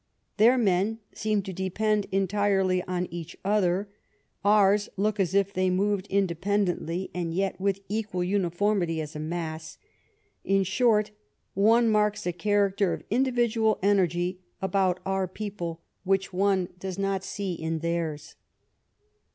Their men seem to depend entirely on each other, ours look as if they moved in dependently, and yet with equal uniformity, as a mass. In short, one marks a character of individual energy about our people which one does not see in theirs.